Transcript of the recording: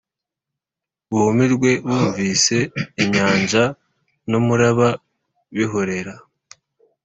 Bumirwe bumvise inyanja n umuraba bihorera